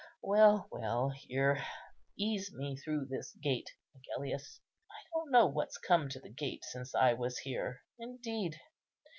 Well, well,—here! ease me through this gate, Agellius; I don't know what's come to the gate since I was here. Indeed!